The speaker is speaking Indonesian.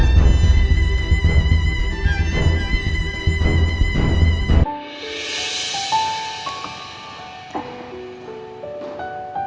jangan depressed dong